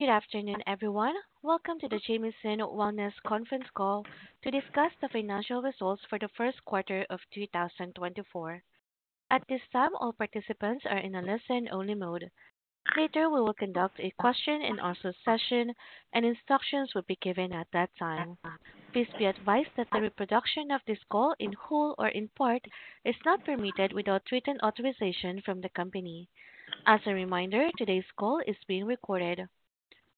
Good afternoon, everyone. Welcome to the Jamieson Wellness Conference call to discuss the financial results for the first quarter of 2024. At this time, all participants are in a listen-only mode. Later, we will conduct a question-and-answer session, and instructions will be given at that time. Please be advised that the reproduction of this call, in whole or in part, is not permitted without written authorization from the company. As a reminder, today's call is being recorded.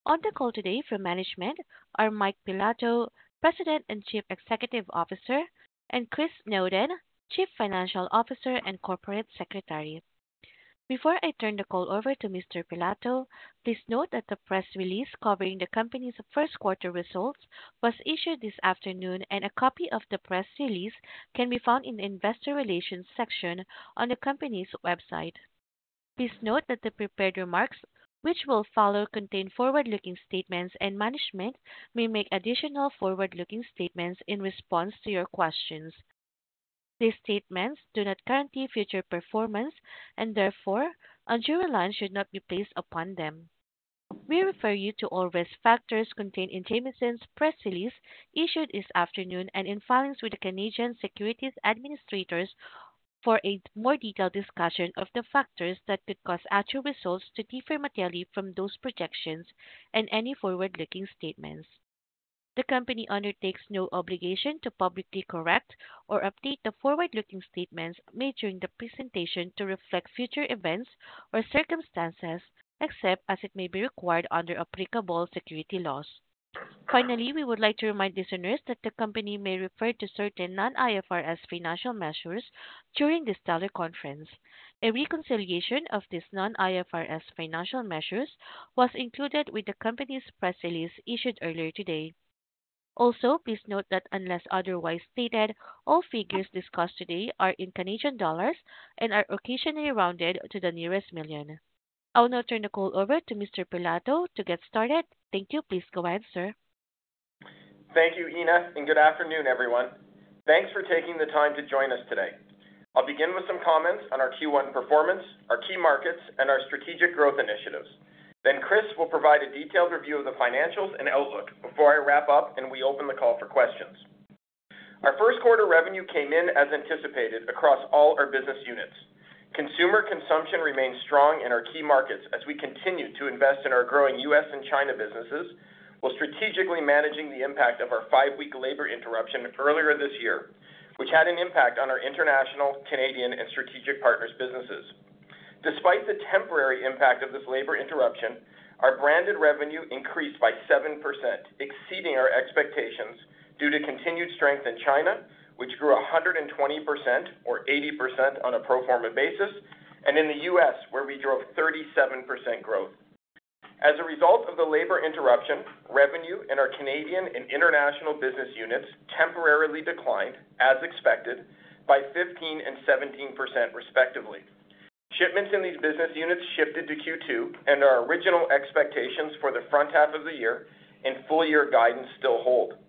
On the call today from management are Mike Pilato, President and Chief Executive Officer, and Chris Snowden, Chief Financial Officer and Corporate Secretary. Before I turn the call over to Mr. Pilato, please note that the press release covering the company's first quarter results was issued this afternoon, and a copy of the press release can be found in the investor relations section on the company's website. Please note that the prepared remarks, which will follow, contain forward-looking statements, and management may make additional forward-looking statements in response to your questions. These statements do not guarantee future performance, and therefore, no reliance should be placed upon them. We refer you to all risk factors contained in Jamieson's press release issued this afternoon and in filings with the Canadian Securities Administrators for a more detailed discussion of the factors that could cause actual results to differ materially from those projections and any forward-looking statements. The company undertakes no obligation to publicly correct or update the forward-looking statements made during the presentation to reflect future events or circumstances, except as it may be required under applicable securities laws. Finally, we would like to remind listeners that the company may refer to certain non-IFRS financial measures during this teleconference. A reconciliation of these non-IFRS financial measures was included with the company's press release issued earlier today. Also, please note that unless otherwise stated, all figures discussed today are in Canadian dollars and are occasionally rounded to the nearest million. I'll now turn the call over to Mr. Pilato to get started. Thank you. Please go ahead, sir. Thank you, Ina, and good afternoon, everyone. Thanks for taking the time to join us today. I'll begin with some comments on our Q1 performance, our key markets, and our strategic growth initiatives. Then Chris will provide a detailed review of the financials and outlook before I wrap up and we open the call for questions. Our first quarter revenue came in as anticipated across all our business units. Consumer consumption remains strong in our key markets as we continue to invest in our growing U.S. and China businesses, while strategically managing the impact of our five-week labor interruption earlier this year, which had an impact on our international, Canadian, and strategic partners' businesses. Despite the temporary impact of this labor interruption, our branded revenue increased by 7%, exceeding our expectations due to continued strength in China, which grew 120% or 80% on a pro forma basis, and in the U.S., where we drove 37% growth. As a result of the labor interruption, revenue in our Canadian and international business units temporarily declined, as expected, by 15% and 17%, respectively. Shipments in these business units shifted to Q2, and our original expectations for the front half of the year and full-year guidance still hold.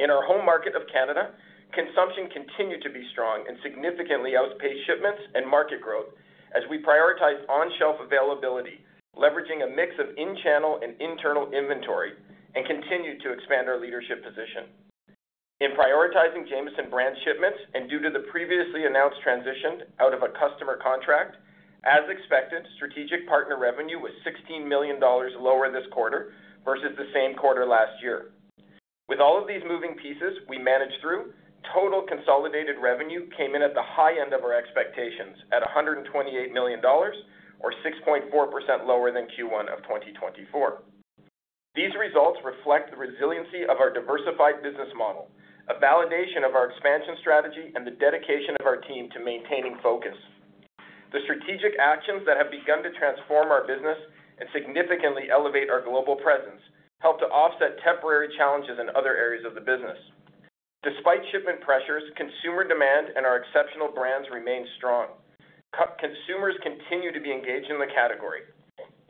In our home market of Canada, consumption continued to be strong and significantly outpace shipments and market growth as we prioritized on-shelf availability, leveraging a mix of in-channel and internal inventory, and continued to expand our leadership position. In prioritizing Jamieson brand shipments and due to the previously announced transition out of a customer contract, as expected, strategic partner revenue was 16 million dollars lower this quarter versus the same quarter last year. With all of these moving pieces we managed through, total consolidated revenue came in at the high end of our expectations at 128 million dollars or 6.4% lower than Q1 of 2024. These results reflect the resiliency of our diversified business model, a validation of our expansion strategy, and the dedication of our team to maintaining focus. The strategic actions that have begun to transform our business and significantly elevate our global presence help to offset temporary challenges in other areas of the business. Despite shipment pressures, consumer demand and our exceptional brands remain strong. Consumers continue to be engaged in the category.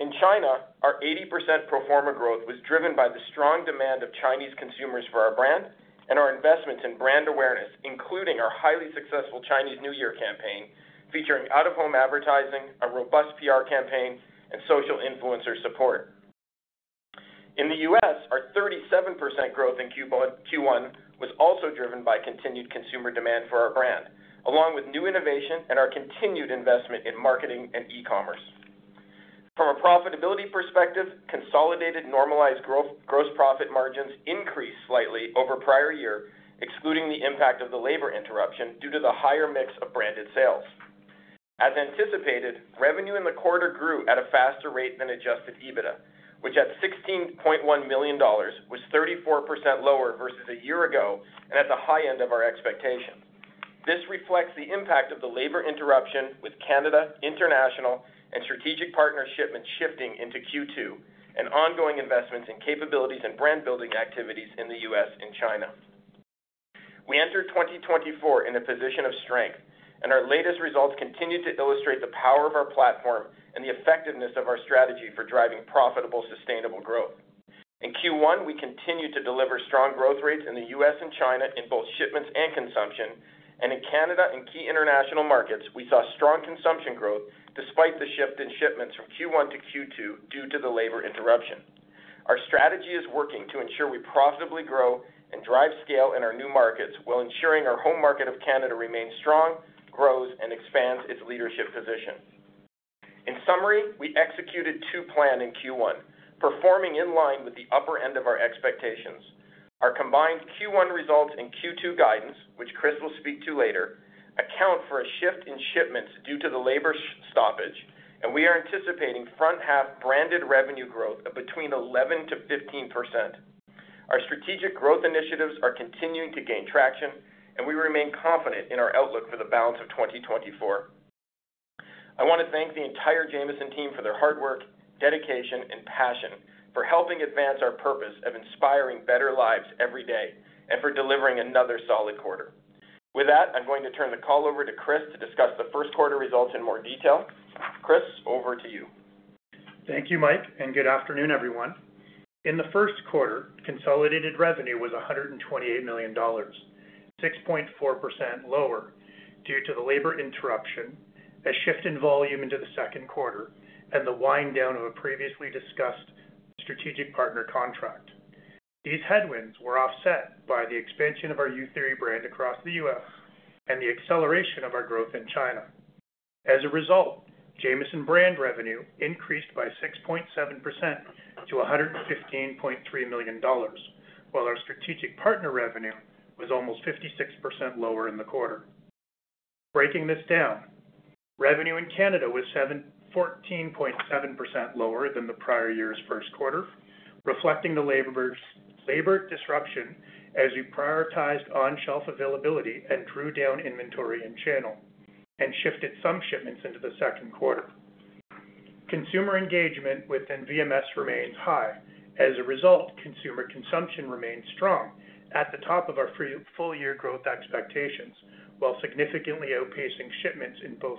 In China, our 80% pro forma growth was driven by the strong demand of Chinese consumers for our brand and our investments in brand awareness, including our highly successful Chinese New Year campaign featuring out-of-home advertising, a robust PR campaign, and social influencer support. In the U.S., our 37% growth in Q1 was also driven by continued consumer demand for our brand, along with new innovation and our continued investment in marketing and e-commerce. From a profitability perspective, consolidated normalized gross profit margins increased slightly over prior year, excluding the impact of the labor interruption due to the higher mix of branded sales. As anticipated, revenue in the quarter grew at a faster rate than Adjusted EBITDA, which at 16.1 million dollars was 34% lower versus a year ago and at the high end of our expectation. This reflects the impact of the labor interruption with Canada, international, and strategic partner shipments shifting into Q2 and ongoing investments in capabilities and brand-building activities in the U.S. and China. We entered 2024 in a position of strength, and our latest results continue to illustrate the power of our platform and the effectiveness of our strategy for driving profitable, sustainable growth. In Q1, we continued to deliver strong growth rates in the U.S. and China in both shipments and consumption, and in Canada and key international markets, we saw strong consumption growth despite the shift in shipments from Q1 to Q2 due to the labor interruption. Our strategy is working to ensure we profitably grow and drive scale in our new markets while ensuring our home market of Canada remains strong, grows, and expands its leadership position. In summary, we executed to plan in Q1, performing in line with the upper end of our expectations. Our combined Q1 results and Q2 guidance, which Chris will speak to later, account for a shift in shipments due to the labor stoppage, and we are anticipating front-half branded revenue growth of between 11%-15%. Our strategic growth initiatives are continuing to gain traction, and we remain confident in our outlook for the balance of 2024. I want to thank the entire Jamieson team for their hard work, dedication, and passion for helping advance our purpose of inspiring better lives every day and for delivering another solid quarter. With that, I'm going to turn the call over to Chris to discuss the first quarter results in more detail. Chris, over to you. Thank you, Mike, and good afternoon, everyone. In the first quarter, consolidated revenue was 128 million dollars, 6.4% lower due to the labor interruption, a shift in volume into the second quarter, and the wind-down of a previously discussed strategic partner contract. These headwinds were offset by the expansion of our Youtheory brand across the U.S. and the acceleration of our growth in China. As a result, Jamieson brand revenue increased by 6.7% to 115.3 million dollars, while our strategic partner revenue was almost 56% lower in the quarter. Breaking this down, revenue in Canada was 14.7% lower than the prior year's first quarter, reflecting the labor disruption as we prioritized on-shelf availability and drew down inventory in-channel and shifted some shipments into the second quarter. Consumer engagement within VMS remains high. As a result, consumer consumption remains strong at the top of our full-year growth expectations, while significantly outpacing shipments in both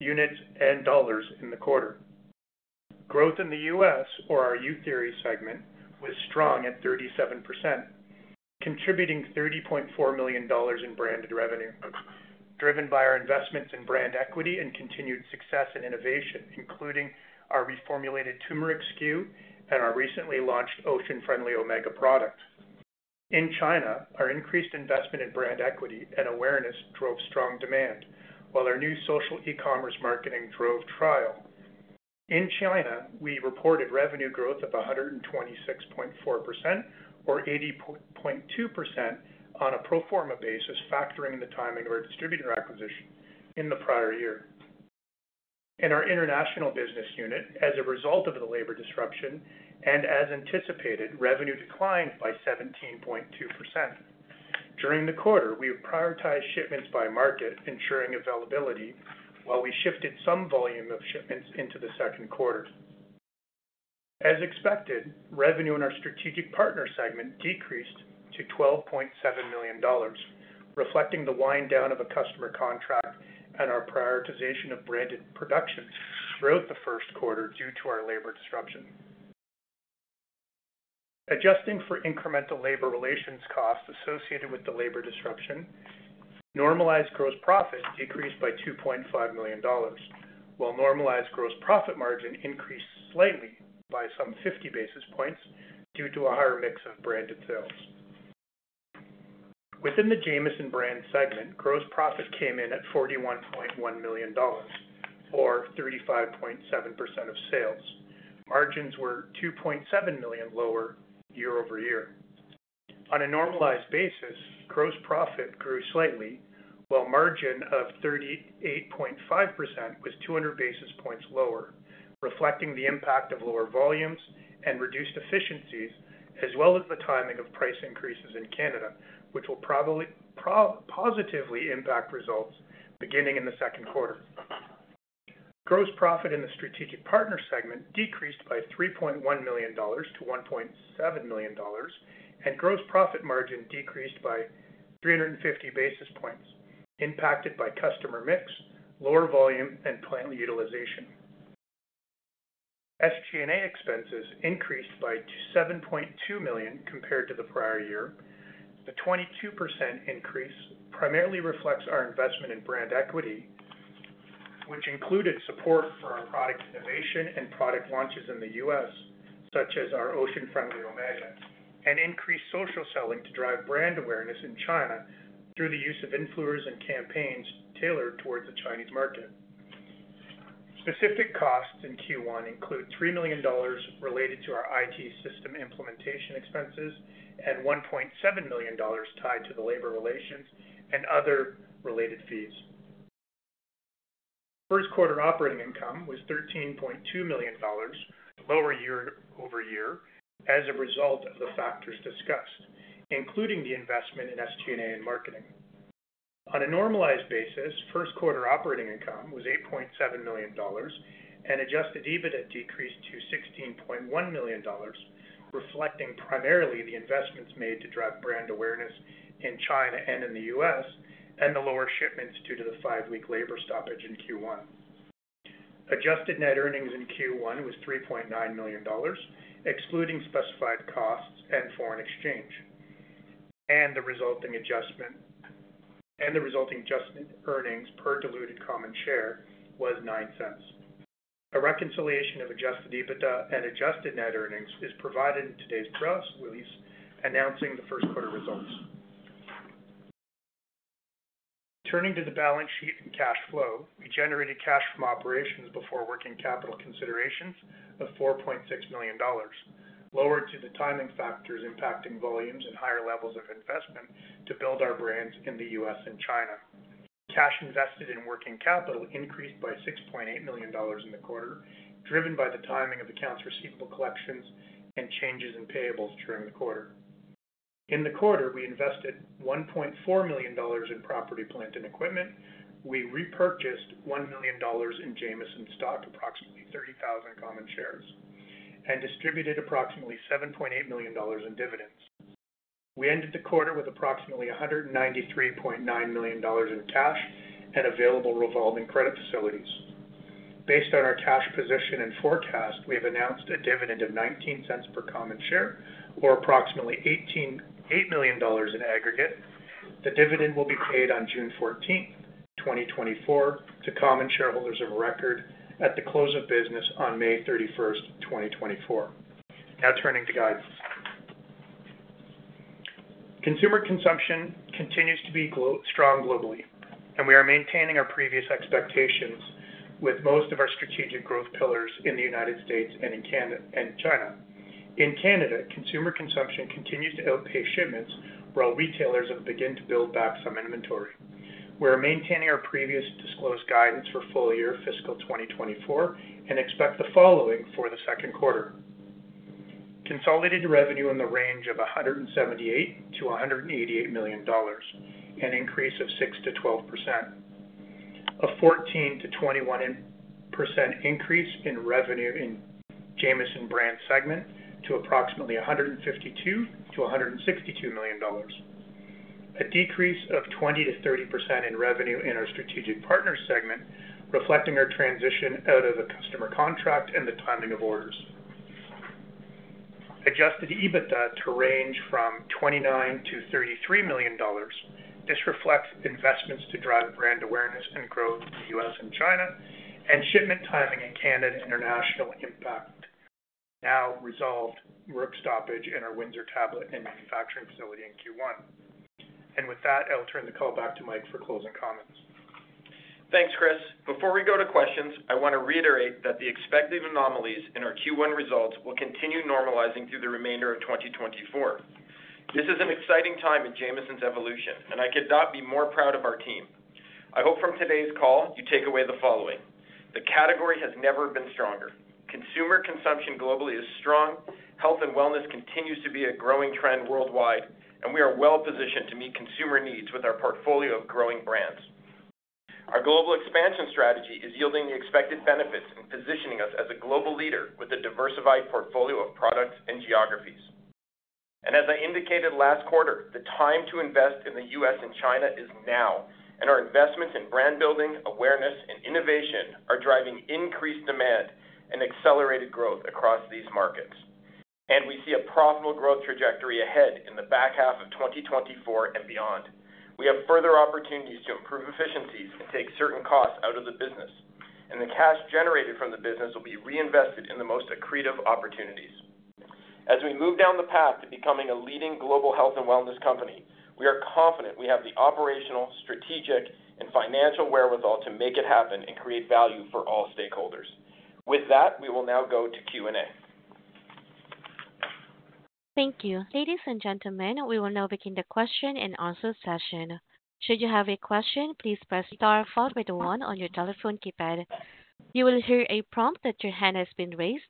units and dollars in the quarter. Growth in the U.S., or our Youtheory segment, was strong at 37%, contributing $30.4 million in branded revenue, driven by our investments in brand equity and continued success in innovation, including our reformulated turmeric SKU and our recently launched Ocean Friendly Omega product. In China, our increased investment in brand equity and awareness drove strong demand, while our new social e-commerce marketing drove trial. In China, we reported revenue growth of 126.4% or 80.2% on a pro forma basis, factoring in the timing of our distributor acquisition in the prior year. In our international business unit, as a result of the labor disruption and as anticipated, revenue declined by 17.2%. During the quarter, we prioritized shipments by market, ensuring availability, while we shifted some volume of shipments into the second quarter. As expected, revenue in our strategic partner segment decreased to 12.7 million dollars, reflecting the wind-down of a customer contract and our prioritization of branded production throughout the first quarter due to our labor disruption. Adjusting for incremental labor relations costs associated with the labor disruption, normalized gross profit decreased by 2.5 million dollars, while normalized gross profit margin increased slightly by some 50 basis points due to a higher mix of branded sales. Within the Jamieson brand segment, gross profit came in at 41.1 million dollars or 35.7% of sales. Margins were 2.7 million lower year-over-year. On a normalized basis, gross profit grew slightly, while margin of 38.5% was 200 basis points lower, reflecting the impact of lower volumes and reduced efficiencies, as well as the timing of price increases in Canada, which will probably positively impact results beginning in the second quarter. Gross profit in the strategic partner segment decreased by 3.1 million dollars to 1.7 million dollars, and gross profit margin decreased by 350 basis points, impacted by customer mix, lower volume, and plant utilization. SG&A expenses increased by 7.2 million compared to the prior year. The 22% increase primarily reflects our investment in brand equity, which included support for our product innovation and product launches in the U.S., such as our Ocean Friendly Omega, and increased social selling to drive brand awareness in China through the use of influencers and campaigns tailored towards the Chinese market. Specific costs in Q1 include 3 million dollars related to our IT system implementation expenses and 1.7 million dollars tied to the labor relations and other related fees. First quarter operating income was 13.2 million dollars lower year-over-year as a result of the factors discussed, including the investment in SG&A and marketing. On a normalized basis, first quarter operating income was 8.7 million dollars, and Adjusted EBITDA decreased to 16.1 million dollars, reflecting primarily the investments made to drive brand awareness in China and in the U.S., and the lower shipments due to the five-week labor stoppage in Q1. Adjusted net earnings in Q1 was 3.9 million dollars, excluding specified costs and foreign exchange. The resulting adjustment and the resulting adjustment earnings per diluted common share was 0.09. A reconciliation of Adjusted EBITDA and Adjusted Net Earnings is provided in today's press release, announcing the first quarter results. Turning to the balance sheet and cash flow, we generated cash from operations before working capital considerations of 4.6 million dollars, lowered to the timing factors impacting volumes and higher levels of investment to build our brands in the U.S. and China. Cash invested in working capital increased by 6.8 million dollars in the quarter, driven by the timing of accounts receivable collections and changes in payables during the quarter. In the quarter, we invested 1.4 million dollars in property plant and equipment. We repurchased 1 million dollars in Jamieson stock, approximately 30,000 common shares, and distributed approximately 7.8 million dollars in dividends. We ended the quarter with approximately 193.9 million dollars in cash and available revolving credit facilities. Based on our cash position and forecast, we have announced a dividend of 0.19 per common share, or approximately 8 million dollars in aggregate. The dividend will be paid on June 14th, 2024, to common shareholders of record at the close of business on May 31st, 2024. Now turning to guidance. Consumer consumption continues to be strong globally, and we are maintaining our previous expectations with most of our strategic growth pillars in the United States and in China. In Canada, consumer consumption continues to outpace shipments while retailers have begun to build back some inventory. We are maintaining our previous disclosed guidance for full year fiscal 2024 and expect the following for the second quarter: consolidated revenue in the range of 178-188 million dollars, an increase of 6%-12%. A 14%-21% increase in revenue in Jamieson brand segment to approximately 152-162 million dollars. A decrease of 20%-30% in revenue in our strategic partner segment, reflecting our transition out of a customer contract and the timing of orders. Adjusted EBITDA to range from 29-33 million dollars. This reflects investments to drive brand awareness and growth in the U.S. and China, and shipment timing in Canada and international impact. Now resolved work stoppage in our Windsor tablet and manufacturing facility in Q1. And with that, I'll turn the call back to Mike for closing comments. Thanks, Chris. Before we go to questions, I want to reiterate that the expected anomalies in our Q1 results will continue normalizing through the remainder of 2024. This is an exciting time in Jamieson's evolution, and I could not be more proud of our team. I hope from today's call, you take away the following: the category has never been stronger. Consumer consumption globally is strong. Health and wellness continues to be a growing trend worldwide, and we are well positioned to meet consumer needs with our portfolio of growing brands. Our global expansion strategy is yielding the expected benefits and positioning us as a global leader with a diversified portfolio of products and geographies. And as I indicated last quarter, the time to invest in the U.S. And China is now, and our investments in brand building, awareness, and innovation are driving increased demand and accelerated growth across these markets. We see a profitable growth trajectory ahead in the back half of 2024 and beyond. We have further opportunities to improve efficiencies and take certain costs out of the business, and the cash generated from the business will be reinvested in the most accretive opportunities. As we move down the path to becoming a leading global health and wellness company, we are confident we have the operational, strategic, and financial wherewithal to make it happen and create value for all stakeholders. With that, we will now go to Q&A. Thank you. Ladies and gentlemen, we will now begin the question and answer session. Should you have a question, please press star followed by the 1 on your telephone keypad. You will hear a prompt that your hand has been raised,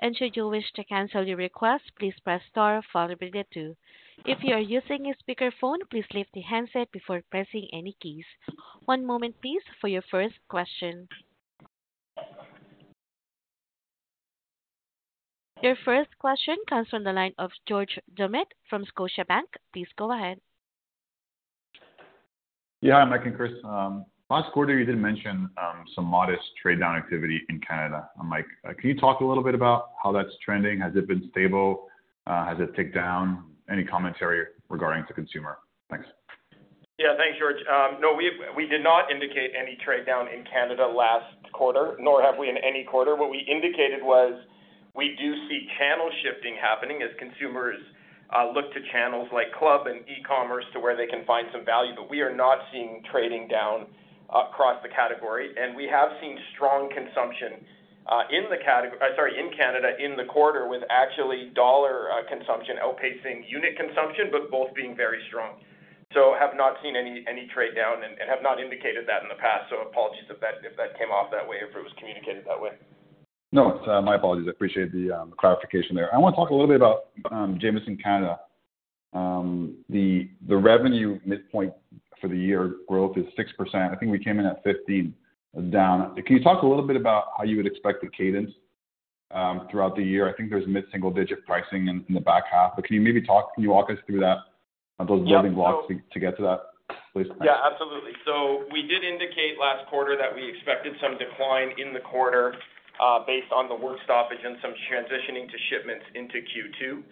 and should you wish to cancel your request, please press star followed by the 2. If you are using a speakerphone, please leave the handset before pressing any keys. One moment, please, for your first question. Your first question comes from the line of George Doumet from Scotiabank. Please go ahead. Yeah, hi, Mike and Chris. Last quarter, you did mention some modest trade-down activity in Canada. Mike, can you talk a little bit about how that's trending? Has it been stable? Has it ticked down? Any commentary regarding the consumer? Thanks. Yeah, thanks, George. No, we did not indicate any trade-down in Canada last quarter, nor have we in any quarter. What we indicated was we do see channel shifting happening as consumers look to channels like club and e-commerce to where they can find some value, but we are not seeing trading down across the category. And we have seen strong consumption in the category, sorry, in Canada, in the quarter with actually dollar consumption outpacing unit consumption, but both being very strong. So I have not seen any trade-down and have not indicated that in the past. So apologies if that came off that way, if it was communicated that way. No, it's my apologies. I appreciate the clarification there. I want to talk a little bit about Jamieson Canada. The revenue midpoint for the year growth is 6%. I think we came in at -15%. Can you talk a little bit about how you would expect the cadence throughout the year? I think there's mid-single digit pricing in the back half, but can you walk us through those building blocks to get to that, please? Yeah, absolutely. So we did indicate last quarter that we expected some decline in the quarter based on the work stoppage and some transitioning to shipments into Q2.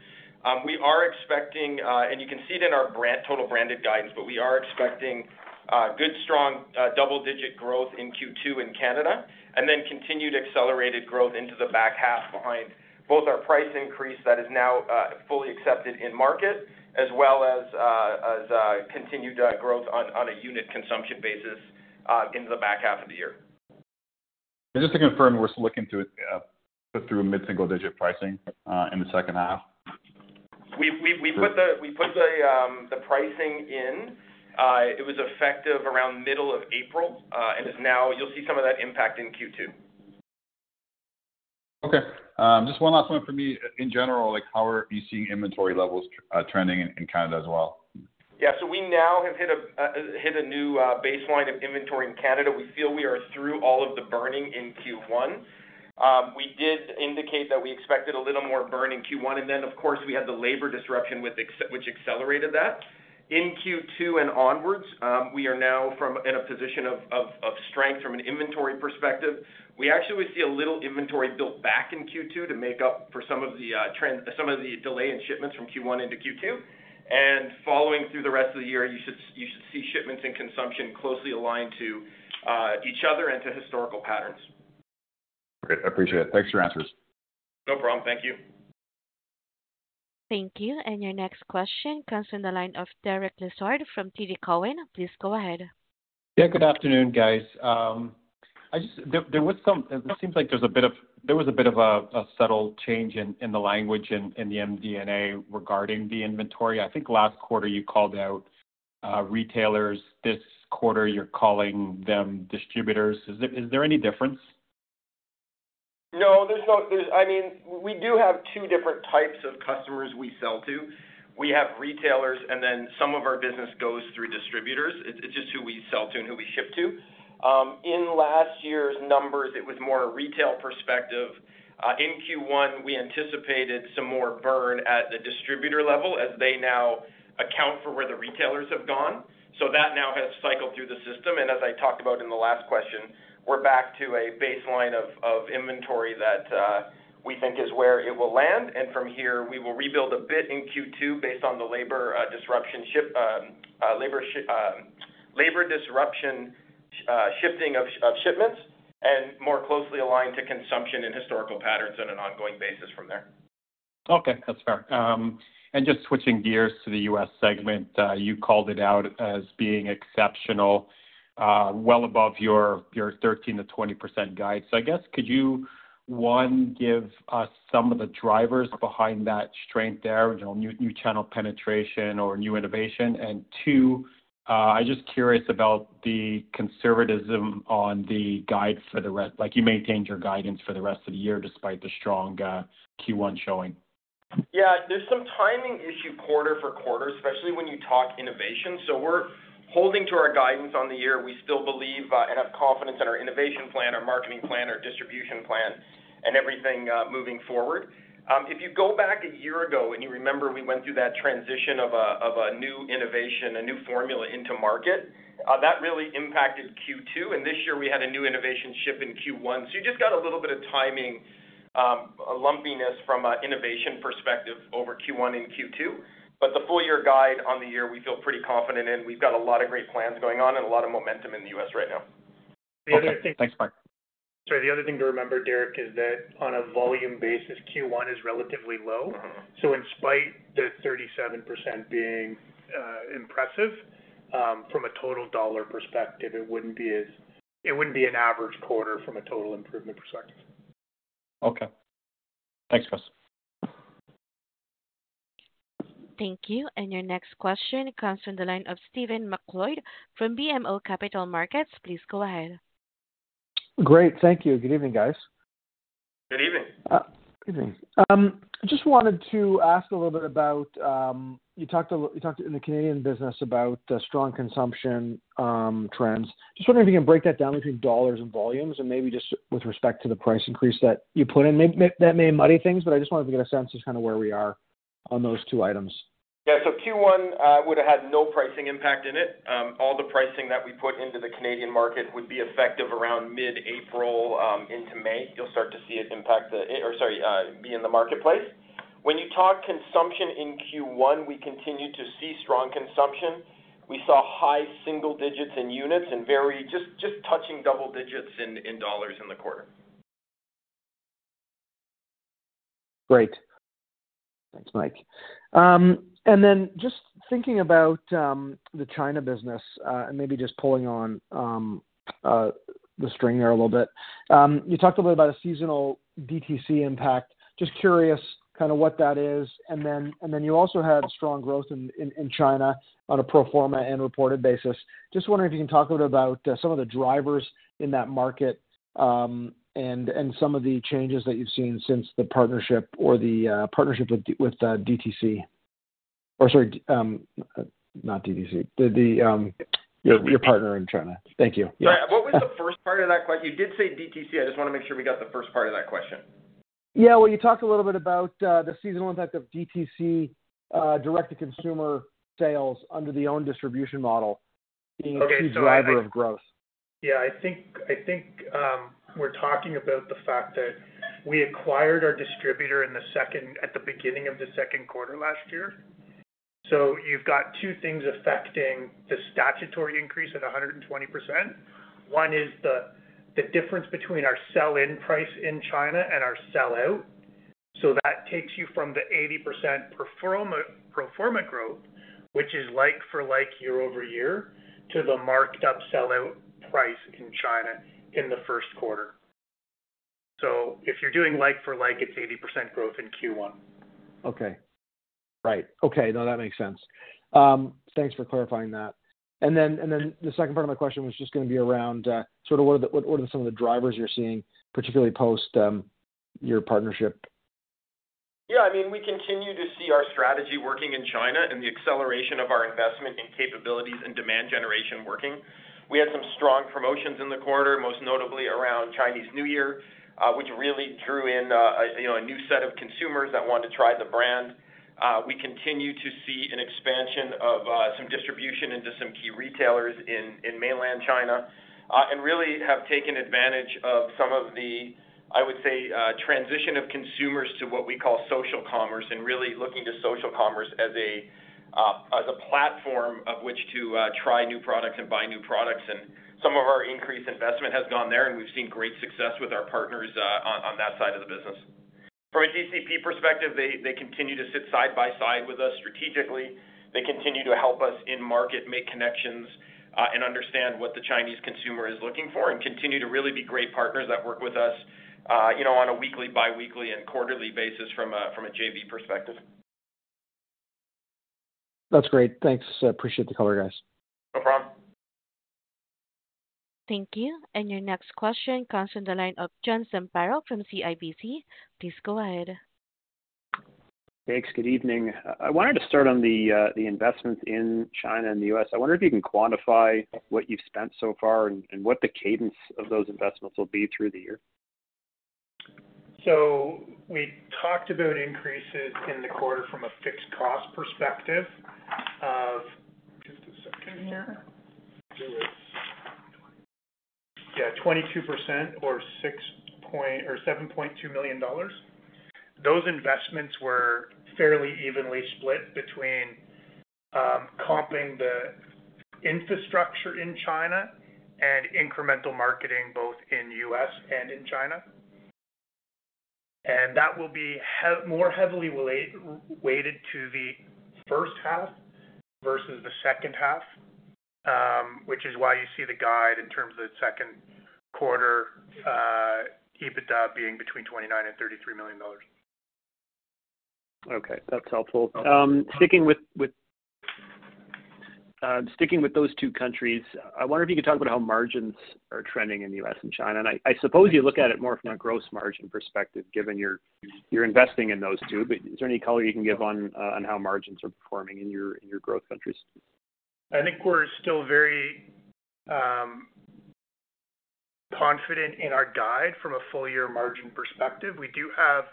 We are expecting, and you can see it in our total branded guidance, but we are expecting good, strong double-digit growth in Q2 in Canada, and then continued accelerated growth into the back half behind both our price increase that is now fully accepted in market, as well as continued growth on a unit consumption basis in the back half of the year. Just to confirm, we're looking to put through mid-single digit pricing in the second half? We put the pricing in. It was effective around middle of April and is now—you'll see some of that impact in Q2. Okay. Just one last one for me in general. How are you seeing inventory levels trending in Canada as well? Yeah, so we now have hit a new baseline of inventory in Canada. We feel we are through all of the burning in Q1. We did indicate that we expected a little more burning Q1, and then, of course, we had the labor disruption, which accelerated that. In Q2 and onwards, we are now in a position of strength from an inventory perspective. We actually see a little inventory built back in Q2 to make up for some of the delay in shipments from Q1 into Q2. And following through the rest of the year, you should see shipments and consumption closely aligned to each other and to historical patterns. Great. I appreciate it. Thanks for your answers. No problem. Thank you. Thank you. Your next question comes from the line of Derek Lessard from TD Cowen. Please go ahead. Yeah, good afternoon, guys. It seems like there's a bit of a subtle change in the language in the MD&A regarding the inventory. I think last quarter, you called out retailers. This quarter, you're calling them distributors. Is there any difference? No, there's no. I mean, we do have two different types of customers we sell to. We have retailers, and then some of our business goes through distributors. It's just who we sell to and who we ship to. In last year's numbers, it was more a retail perspective. In Q1, we anticipated some more burn at the distributor level as they now account for where the retailers have gone. So that now has cycled through the system. And as I talked about in the last question, we're back to a baseline of inventory that we think is where it will land. And from here, we will rebuild a bit in Q2 based on the labor disruption shifting of shipments and more closely align to consumption and historical patterns on an ongoing basis from there. Okay, that's fair. And just switching gears to the U.S. segment, you called it out as being exceptional, well above your 13%-20% guide. So I guess, could you, one, give us some of the drivers behind that strength there, new channel penetration or new innovation? And two, I'm just curious about the conservatism on the guide for the rest—you maintained your guidance for the rest of the year despite the strong Q1 showing. Yeah, there's some timing issue quarter-over-quarter, especially when you talk innovation. So we're holding to our guidance on the year. We still believe and have confidence in our innovation plan, our marketing plan, our distribution plan, and everything moving forward. If you go back a year ago and you remember we went through that transition of a new innovation, a new formula into market, that really impacted Q2. And this year, we had a new innovation ship in Q1. So you just got a little bit of timing, a lumpiness from an innovation perspective over Q1 and Q2. But the full year guide on the year, we feel pretty confident in. We've got a lot of great plans going on and a lot of momentum in the U.S. right now. Thanks, Mike. Sorry, the other thing to remember, Derek, is that on a volume basis, Q1 is relatively low. So in spite the 37% being impressive, from a total dollar perspective, it wouldn't be an average quarter from a total improvement perspective. Okay. Thanks, Chris. Thank you. And your next question comes from the line of Stephen MacLeod from BMO Capital Markets. Please go ahead. Great. Thank you. Good evening, guys. Good evening. Good evening. I just wanted to ask a little bit about, you talked in the Canadian business about strong consumption trends. Just wondering if you can break that down between dollars and volumes and maybe just with respect to the price increase that you put in. That may muddy things, but I just wanted to get a sense of kind of where we are on those two items. Yeah, so Q1 would have had no pricing impact in it. All the pricing that we put into the Canadian market would be effective around mid-April into May. You'll start to see it impact the—or sorry, be in the marketplace. When you talk consumption in Q1, we continued to see strong consumption. We saw high single digits in units and very—just touching double digits in dollars in the quarter. Great. Thanks, Mike. And then just thinking about the China business and maybe just pulling on the string there a little bit, you talked a little bit about a seasonal DTC impact. Just curious kind of what that is. And then you also had strong growth in China on a pro forma and reported basis. Just wondering if you can talk a little bit about some of the drivers in that market and some of the changes that you've seen since the partnership or the partnership with DTC—or sorry, not DTC, your partner in China. Thank you. Sorry, what was the first part of that question? You did say DTC. I just want to make sure we got the first part of that question. Yeah, well, you talked a little bit about the seasonal impact of DTC direct-to-consumer sales under the own distribution model being a key driver of growth. Yeah, I think we're talking about the fact that we acquired our distributor at the beginning of the second quarter last year. So you've got two things affecting the statutory increase at 120%. One is the difference between our sell-in price in China and our sell-out. So that takes you from the 80% pro forma growth, which is like-for-like year-over-year, to the marked-up sell-out price in China in the first quarter. So if you're doing like-for-like, it's 80% growth in Q1. Okay. Right. Okay. No, that makes sense. Thanks for clarifying that. And then the second part of my question was just going to be around sort of what are some of the drivers you're seeing, particularly post your partnership? Yeah, I mean, we continue to see our strategy working in China and the acceleration of our investment in capabilities and demand generation working. We had some strong promotions in the quarter, most notably around Chinese New Year, which really drew in a new set of consumers that wanted to try the brand. We continue to see an expansion of some distribution into some key retailers in mainland China and really have taken advantage of some of the, I would say, transition of consumers to what we call social commerce and really looking to social commerce as a platform of which to try new products and buy new products. And some of our increased investment has gone there, and we've seen great success with our partners on that side of the business. From a DCP perspective, they continue to sit side by side with us strategically. They continue to help us in market, make connections, and understand what the Chinese consumer is looking for and continue to really be great partners that work with us on a weekly, biweekly, and quarterly basis from a JV perspective. That's great. Thanks. Appreciate the call, guys. No problem. Thank you. And your next question comes from the line of John Zamparo from CIBC. Please go ahead. Thanks. Good evening. I wanted to start on the investments in China and the U.S. I wonder if you can quantify what you've spent so far and what the cadence of those investments will be through the year. We talked about increases in the quarter from a fixed cost perspective of—just a second here. Yeah, 22% or 7.2 million dollars. Those investments were fairly evenly split between comping the infrastructure in China and incremental marketing both in the U.S. and in China. And that will be more heavily weighted to the first half versus the second half, which is why you see the guide in terms of the second quarter EBITDA being between 29 million and 33 million dollars. Okay. That's helpful. Sticking with those two countries, I wonder if you could talk about how margins are trending in the U.S. and China. And I suppose you look at it more from a gross margin perspective, given you're investing in those two. But is there any color you can give on how margins are performing in your growth countries? I think we're still very confident in our guide from a full year margin perspective. We do have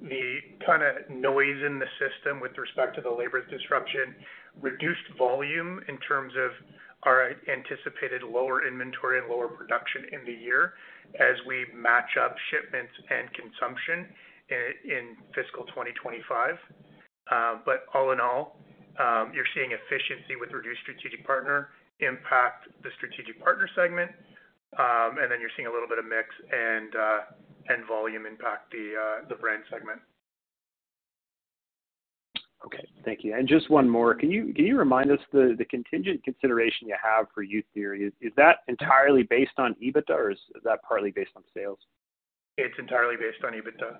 the kind of noise in the system with respect to the labor disruption, reduced volume in terms of our anticipated lower inventory and lower production in the year as we match up shipments and consumption in fiscal 2025. But all in all, you're seeing efficiency with reduced strategic partner impact the strategic partner segment. And then you're seeing a little bit of mix and volume impact the brand segment. Okay. Thank you. And just one more. Can you remind us the contingent consideration you have for Youtheory? Is that entirely based on EBITDA, or is that partly based on sales? It's entirely based on EBITDA.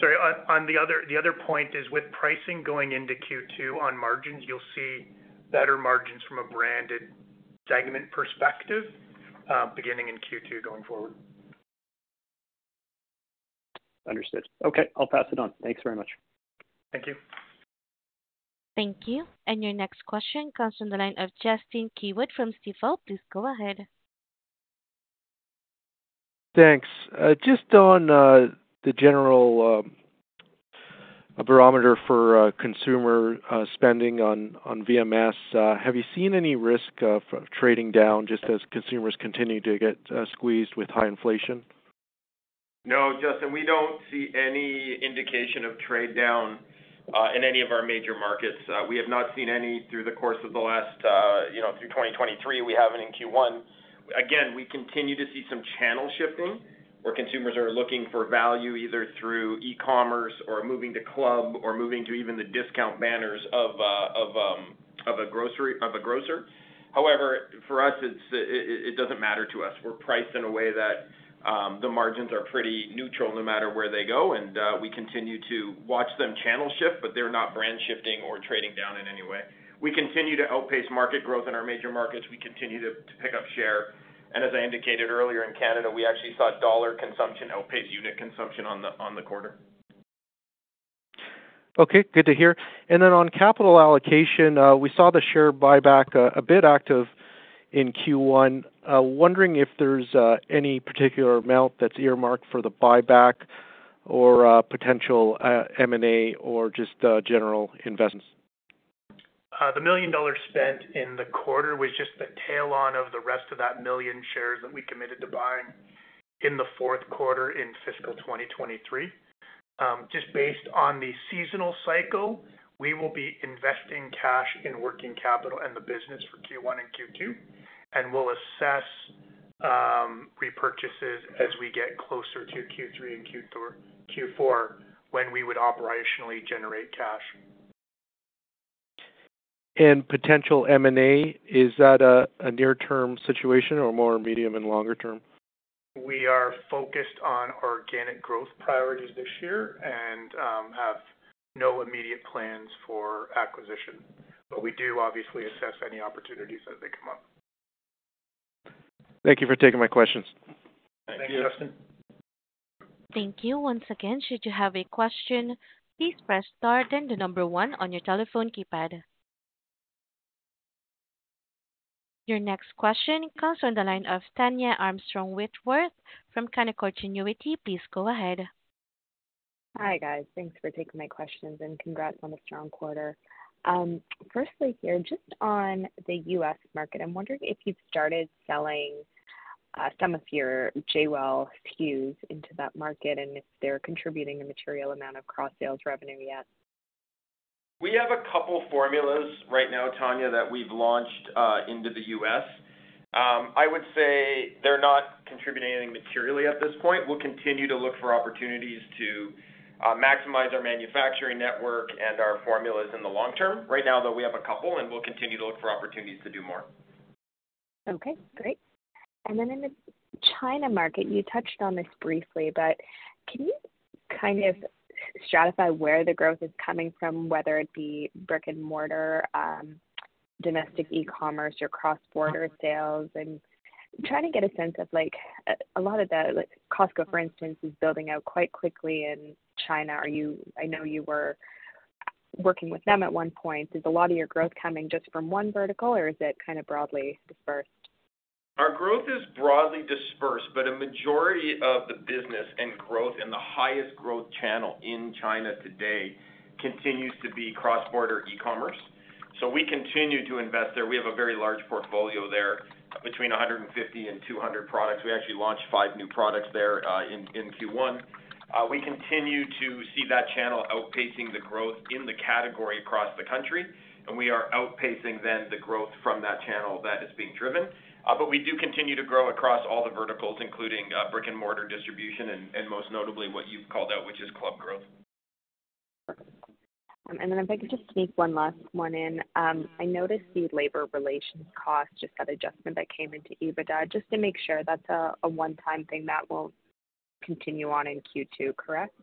Sorry, the other point is with pricing going into Q2 on margins, you'll see better margins from a branded segment perspective beginning in Q2 going forward. Understood. Okay. I'll pass it on. Thanks very much. Thank you. Thank you. Your next question comes from the line of Justin Keywood from Stifel. Please go ahead. Thanks. Just on the general barometer for consumer spending on VMS, have you seen any risk of trading down just as consumers continue to get squeezed with high inflation? No, Justin. We don't see any indication of trade down in any of our major markets. We have not seen any through the course of the last, through 2023, we haven't in Q1. Again, we continue to see some channel shifting where consumers are looking for value either through e-commerce or moving to club or moving to even the discount banners of a grocer. However, for us, it doesn't matter to us. We're priced in a way that the margins are pretty neutral no matter where they go. And we continue to watch them channel shift, but they're not brand shifting or trading down in any way. We continue to outpace market growth in our major markets. We continue to pick up share. And as I indicated earlier in Canada, we actually saw dollar consumption outpace unit consumption on the quarter. Okay. Good to hear. And then on capital allocation, we saw the share buyback a bit active in Q1. Wondering if there's any particular amount that's earmarked for the buyback or potential M&A or just general investments. The $1 million spent in the quarter was just the tail-on of the rest of that 1 million shares that we committed to buying in the fourth quarter in fiscal 2023. Just based on the seasonal cycle, we will be investing cash in working capital and the business for Q1 and Q2, and we'll assess repurchases as we get closer to Q3 and Q4 when we would operationally generate cash. Potential M&A, is that a near-term situation or more medium- and longer-term? We are focused on organic growth priorities this year and have no immediate plans for acquisition. But we do, obviously, assess any opportunities as they come up. Thank you for taking my questions. Thank you. Thanks, Justin. Thank you. Once again, should you have a question, please press star and the number one on your telephone keypad. Your next question comes from the line of Tania Armstrong-Whitworth from Canaccord Genuity. Please go ahead. Hi, guys. Thanks for taking my questions and congrats on a strong quarter. Firstly here, just on the U.S. market, I'm wondering if you've started selling some of your JWEL SKUs into that market and if they're contributing a material amount of cross-sales revenue yet? We have a couple of formulas right now, Tania, that we've launched into the U.S. I would say they're not contributing anything materially at this point. We'll continue to look for opportunities to maximize our manufacturing network and our formulas in the long term. Right now, though, we have a couple, and we'll continue to look for opportunities to do more. Okay. Great. And then in the China market, you touched on this briefly, but can you kind of stratify where the growth is coming from, whether it be brick-and-mortar, domestic e-commerce, or cross-border sales? And I'm trying to get a sense of a lot of the Costco, for instance, is building out quite quickly in China. I know you were working with them at one point. Is a lot of your growth coming just from one vertical, or is it kind of broadly dispersed? Our growth is broadly dispersed, but a majority of the business and growth in the highest growth channel in China today continues to be cross-border e-commerce. So we continue to invest there. We have a very large portfolio there between 150-200 products. We actually launched five new products there in Q1. We continue to see that channel outpacing the growth in the category across the country, and we are outpacing then the growth from that channel that is being driven. But we do continue to grow across all the verticals, including brick-and-mortar distribution and most notably what you've called out, which is club growth. If I could just sneak one last one in. I noticed the labor relations cost just had adjustment that came into EBITDA. Just to make sure, that's a one-time thing that will continue on in Q2, correct?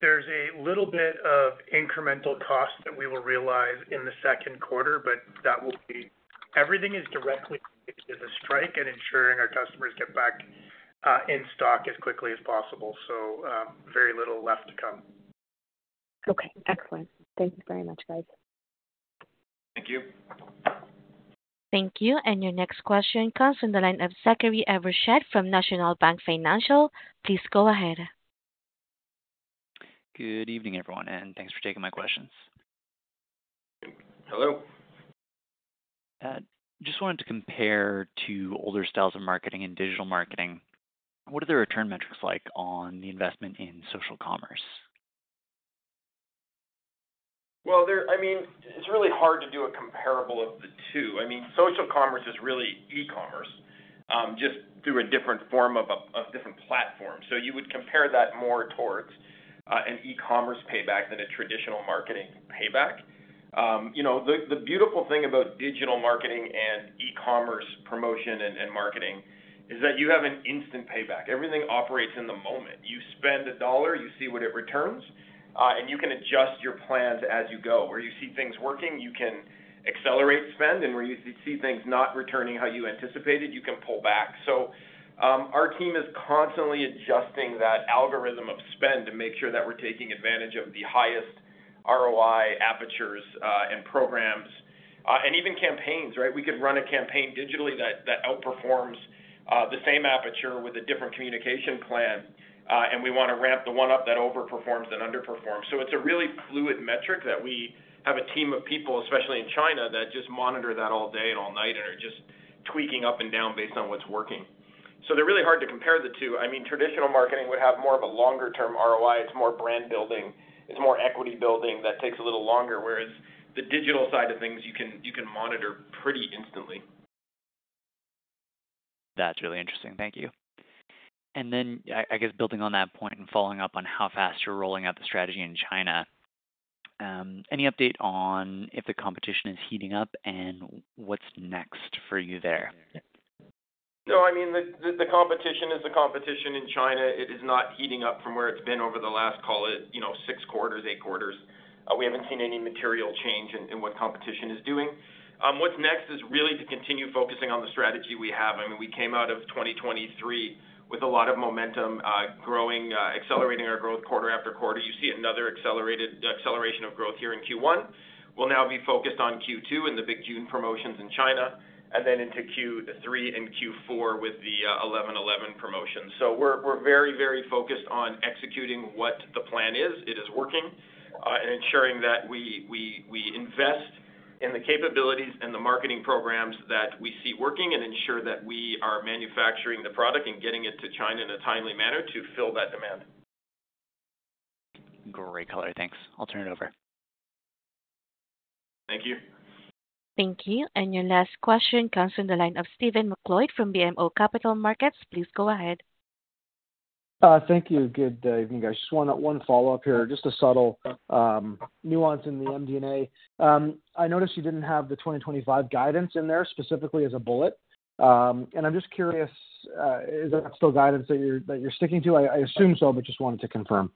There's a little bit of incremental cost that we will realize in the second quarter, but that will be everything. Everything is directly linked to the strike and ensuring our customers get back in stock as quickly as possible. So very little left to come. Okay. Excellent. Thank you very much, guys. Thank you. Thank you. Your next question comes from the line of Zachary Evershed from National Bank Financial. Please go ahead. Good evening, everyone, and thanks for taking my questions. Hello. Just wanted to compare to older styles of marketing and digital marketing. What are the return metrics like on the investment in social commerce? Well, I mean, it's really hard to do a comparable of the two. I mean, social commerce is really e-commerce just through a different form of a different platform. So you would compare that more towards an e-commerce payback than a traditional marketing payback. The beautiful thing about digital marketing and e-commerce promotion and marketing is that you have an instant payback. Everything operates in the moment. You spend a dollar, you see what it returns, and you can adjust your plans as you go. Where you see things working, you can accelerate spend, and where you see things not returning how you anticipated, you can pull back. So our team is constantly adjusting that algorithm of spend to make sure that we're taking advantage of the highest ROI apertures and programs and even campaigns, right? We could run a campaign digitally that outperforms the same aperture with a different communication plan, and we want to ramp the one up that overperforms and underperforms. So it's a really fluid metric that we have a team of people, especially in China, that just monitor that all day and all night and are just tweaking up and down based on what's working. So they're really hard to compare the two. I mean, traditional marketing would have more of a longer-term ROI. It's more brand building. It's more equity building that takes a little longer, whereas the digital side of things, you can monitor pretty instantly. That's really interesting. Thank you. And then I guess building on that point and following up on how fast you're rolling out the strategy in China, any update on if the competition is heating up and what's next for you there? No, I mean, the competition is the competition in China. It is not heating up from where it's been over the last, call it, 6 quarters, 8 quarters. We haven't seen any material change in what competition is doing. What's next is really to continue focusing on the strategy we have. I mean, we came out of 2023 with a lot of momentum growing, accelerating our growth quarter after quarter. You see another acceleration of growth here in Q1. We'll now be focused on Q2 and the big June promotions in China and then into Q3 and Q4 with the 11/11 promotions. So we're very, very focused on executing what the plan is. It is working and ensuring that we invest in the capabilities and the marketing programs that we see working and ensure that we are manufacturing the product and getting it to China in a timely manner to fill that demand. Great color. Thanks. I'll turn it over. Thank you. Thank you. Your last question comes from the line of Stephen MacLeod from BMO Capital Markets. Please go ahead. Thank you. Good evening, guys. Just one follow-up here, just a subtle nuance in the MD&A. I noticed you didn't have the 2025 guidance in there specifically as a bullet. And I'm just curious, is that still guidance that you're sticking to? I assume so, but just wanted to confirm.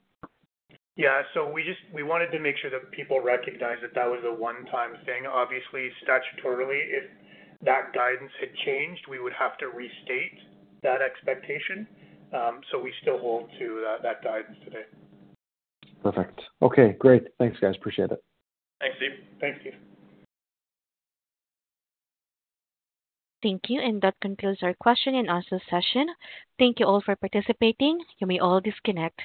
Yeah. So we wanted to make sure that people recognize that that was a one-time thing. Obviously, statutorily, if that guidance had changed, we would have to restate that expectation. We still hold to that guidance today. Perfect. Okay. Great. Thanks, guys. Appreciate it. Thanks, Steve. Thanks, Steve. Thank you. That concludes our question and also session. Thank you all for participating. You may all disconnect.